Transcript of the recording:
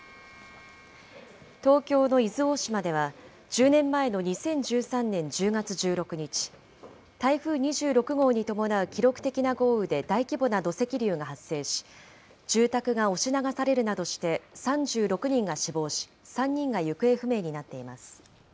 東京の伊豆大島では１０年前の２０１３年１０月１６日、台風２６号に伴う記録的な豪雨で大規模な土石流が発生し、住宅が押し流されるなどして、３６人が死亡し、３人が行方不明になっています。